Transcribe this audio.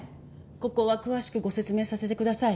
ここは詳しくご説明させてください。